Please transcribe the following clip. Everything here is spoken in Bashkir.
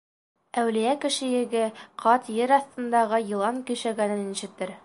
Әүлиә кеше еге ҡат ер аҫтындағы йылан көйшәгәнен ишетер.